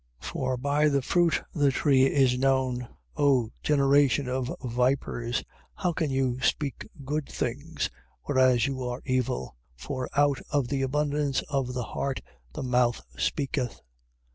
For by the fruit the tree is known. 12:34. O generation of vipers, how can you speak good things, whereas you are evil? for out of the abundance of the heart the mouth speaketh.